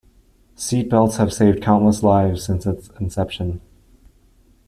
Seat belts have saved countless lives since its inception.